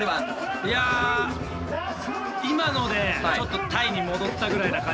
いや今のでちょっとタイに戻ったぐらいな感じ。